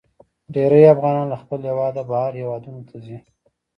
ډیرې افغانان له خپل هیواده بهر هیوادونو ته ځي.